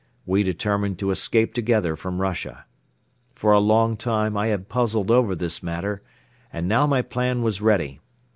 We determined to escape together from Russia. For a long time I had puzzled over this matter and now my plan was ready.